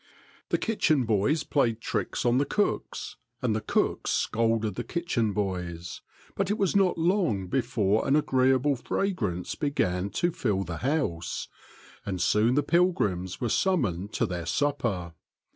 The kitchen boys played tricks on the cooks, and the cooks scolded the kitchen boys ; but it was not long before an agreeable fragrance began to fill the house, and soon the pilgrims were summoned to their supper.